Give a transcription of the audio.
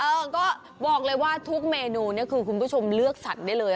เออก็บอกเลยว่าทุกเมนูเนี่ยคือคุณผู้ชมเลือกสัตว์ได้เลย